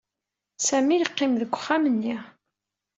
Sami yeqqim deg uxxam-nni.